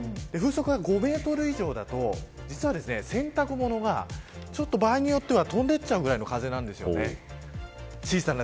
５メートル以上だと洗濯物が場合によっては飛んでいってしまうぐらいの風です。